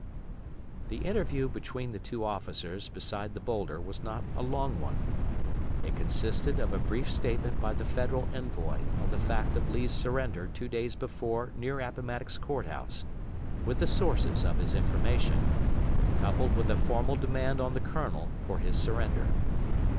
The interview between the two officers beside the bowlder was not a long one. It consisted of a brief statement by the Federal envoy of the fact of Lee's surrender two days before near Appomattox Court House, with the sources of his information, coupled with a formal demand on the Colonel for his surrender.